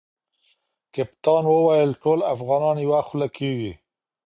کپتان وویل ټول افغانان یوه خوله کیږي.